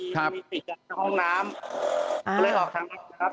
ครับมันมีติดกับห้องน้ำอ่าเลยออกทางนั้นครับ